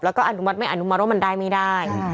แล้วก็อนุมัติไม่อนุมัติว่ามันได้ไม่ได้